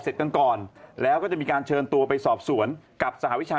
กันก่อนแล้วก็จะมีการเชิญตัวไปสอบสวนกับสหวิชา